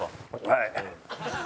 はい。